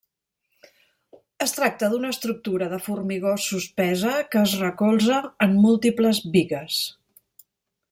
Es tracta d'una estructura de formigó suspesa que es recolza en múltiples bigues.